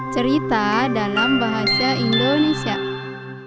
cerita dalam bahasa indonesia